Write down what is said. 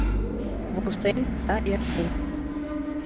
Вурсен да эртен...